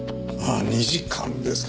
２時間ですか